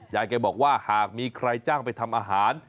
ยายแกบอกว่าหากมีใครจ้างไปทำอาหาร